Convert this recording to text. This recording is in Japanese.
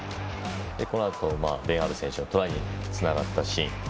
このあと、ベン・アール選手のトライにつながったシーン。